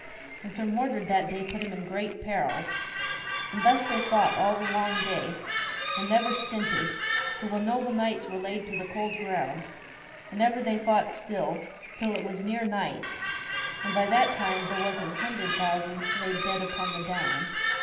And Sir Mordred that day put him in great peril. And thus they fought all the long day, and never stinted, till the noble knights were laid to the cold ground, and ever they fought still, till it was near night, and by that time was there an hundred thousand laid dead upon the down.